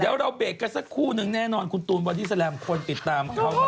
เดี๋ยวเราเบรกกันสักครู่นึงแน่นอนคุณตูนบอดี้แลมคนติดตามเขานะ